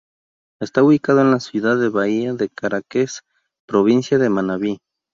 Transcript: Está ubicado en la ciudad de Bahía de Caráquez, provincia de Manabí.